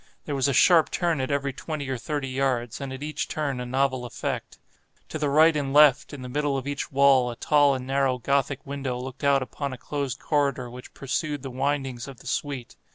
There was a sharp turn at every twenty or thirty yards, and at each turn a novel effect. To the right and left, in the middle of each wall, a tall and narrow Gothic window looked out upon a closed corridor which pursued the windings of the suite.